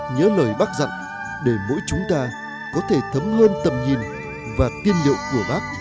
nhớ lời bác dặn để mỗi chúng ta có thể thấm hơn tầm nhìn và tiên liệu của bác